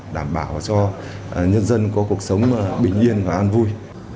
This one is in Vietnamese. đảm bảo cho nhân dân có cuộc sống bình yên và an vui